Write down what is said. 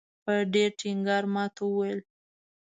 په ډېر ټینګار ماته وویل.